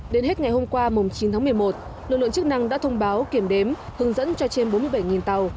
đến hết ngày hôm qua chín tháng một mươi một lực lượng chức năng đã thông báo kiểm đếm hướng dẫn cho trên bốn mươi bảy tàu